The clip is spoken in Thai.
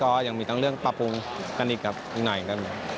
ก็ยังมีต่างเรื่องปรับผลกันกันกับอีกหน่อยครับ